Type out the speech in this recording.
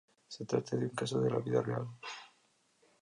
Se trata de un caso de la vida real.